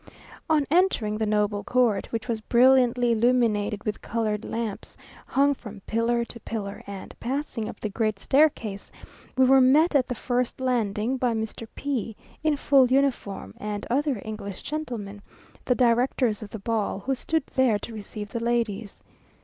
On entering the noble court, which was brilliantly illuminated with coloured lamps, hung from pillar to pillar, and passing up the great staircase, we were met at the first landing by Mr. P , in full uniform, and other English gentlemen, the directors of the ball, who stood there to receive the ladies.